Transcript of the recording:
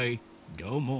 どうも。